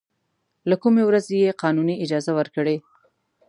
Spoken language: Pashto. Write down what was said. له کومې ورځې یې قانوني اجازه ورکړې.